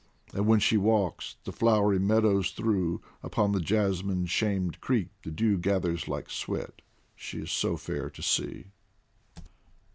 114 DIVAN OF HAF1Z And when she walks the flowery meadows through, Upon the jasmine's shamed cheek the dew Gathers like sweat, she is so fair to see